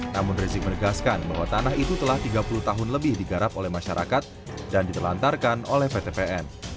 namun rizik menegaskan bahwa tanah itu telah tiga puluh tahun lebih digarap oleh masyarakat dan ditelantarkan oleh ptpn